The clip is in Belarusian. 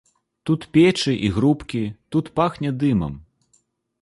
Тут печы і грубкі, тут пахне дымам.